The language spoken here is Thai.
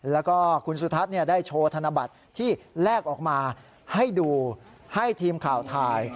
แล้วก็คุณสุทัศน์ได้โชว์ธนบัตรที่แลกออกมาให้ดูให้ทีมข่าวถ่าย